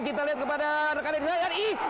kita lihat kepada rekan rekan